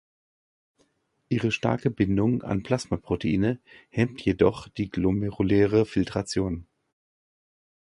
Ihre starke Bindung an Plasmaproteine hemmt jedoch die glomeruläre Filtration.